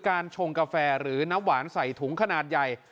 ชงกาแฟหรือน้ำหวานใส่ถุงขนาดใหญ่